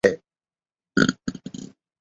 色木槭是无患子科槭属的植物。